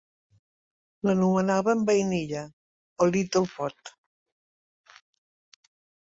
L'anomenaven "vainilla" o "little pod".